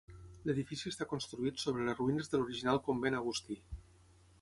L'edifici està construït sobre les ruïnes de l'original convent agustí.